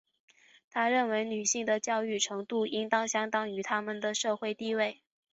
她认为女性的教育程度应当相称于她们的社会地位。